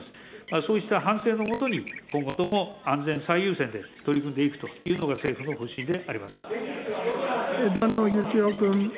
そうした反省の下に、今後とも安全最優先で取り組んでいくというのが政府の方針であり枝野幸男君。